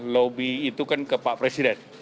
lobby itu kan ke pak presiden